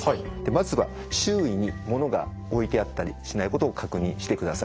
まずは周囲に物が置いてあったりしないことを確認してください。